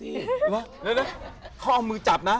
เดี๋ยวขอเอามือจับนะ